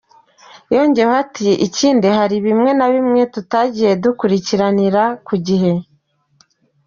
Yongeyeho ati “Ikindi hari bimwe na bimwe tutagiye dukurikiranira ku gihe.